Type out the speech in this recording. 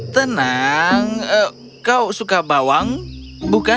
tenang kau suka bawang bukan